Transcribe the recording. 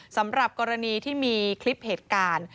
สำหรับกรณีที่มีคลิปเหตุการณ์